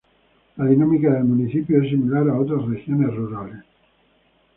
La dinámica del municipio es similar a otras regiones rurales.